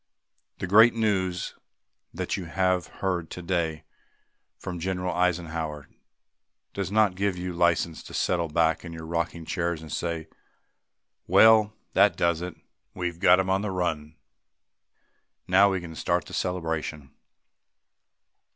The great news that you have heard today from General Eisenhower does not give you license to settle back in your rocking chairs and say, "Well, that does it. We've got 'em on the run. Now we can start the celebration."